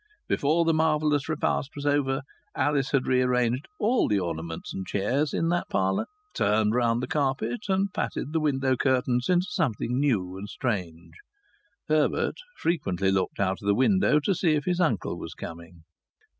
Before the marvellous repast was over Alice had rearranged all the ornaments and chairs in that parlour, turned round the carpet, and patted the window curtains into something new and strange. Herbert frequently looked out of the window to see if his uncle was coming.